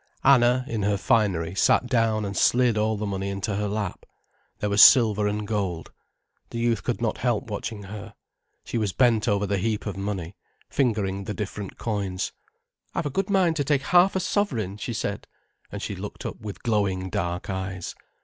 Anna, in her finery, sat down and slid all the money into her lap. There was silver and gold. The youth could not help watching her. She was bent over the heap of money, fingering the different coins. "I've a good mind to take half a sovereign," she said, and she looked up with glowing dark eyes.